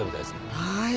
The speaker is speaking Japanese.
はい。